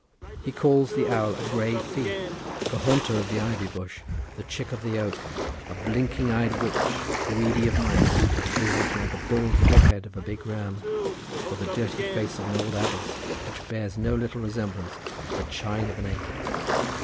He calls the owl a grey thief—the haunter of the ivy bush—the chick of the oak, a blinking eyed witch, greedy of mice, with a visage like the bald forehead of a big ram, or the dirty face of an old abbess, which bears no little resemblance to the chine of an ape.